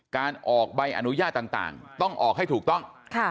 การออกใบอนุญาตต่างต้องออกให้ถูกต้อง